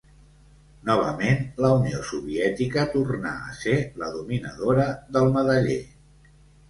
Novament la Unió Soviètica tornà a ser la dominadora del medaller.